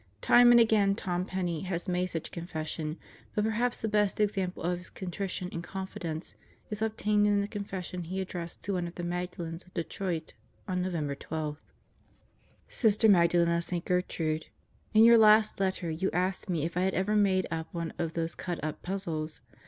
Time and again Tom Penney has made such a confession, but perhaps the best example of his contrition and confidence is contained in the confession he addressed to one of the Magdalens of Detroit, on November 12. Sister Magdalen of St. Gertrude: In your last letter you asked me if I had ever made up one of those cut up puzzles.